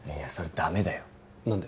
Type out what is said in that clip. ダメだよ何で？